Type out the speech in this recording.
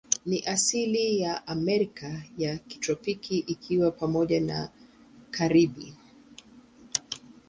Ni asili ya Amerika ya kitropiki, ikiwa ni pamoja na Karibi.